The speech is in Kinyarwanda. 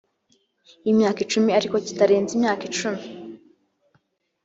y imyaka icumi ariko kitarenze imyaka cumi